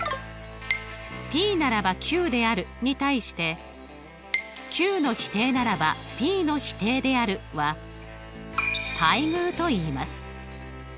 「ｐならばｑである」に対して「ｑの否定ならばｐの否定である」は対偶といいます。